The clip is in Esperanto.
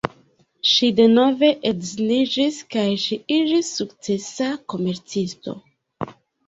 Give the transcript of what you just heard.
Ŝi denove edziniĝis kaj ŝi iĝis sukcesa komercisto.